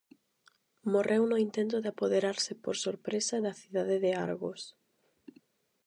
Morreu no intento de apoderarse por sorpresa da cidade de Argos.